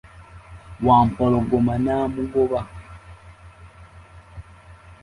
Wampologoma namugoba.